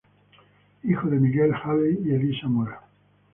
Hijo de Miguel Halley y Elisa Mora.